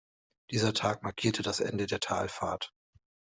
Dieser Tag markierte das Ende der Talfahrt.